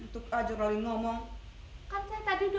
terima kasih pak